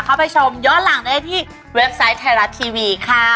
เข้าไปชมย้อนหลังได้ที่เว็บไซต์ไทยรัฐทีวีค่ะ